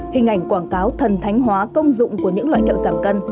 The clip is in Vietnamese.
hình ảnh quảng cáo thần thánh hóa công dụng của những loại kẹo giảm cân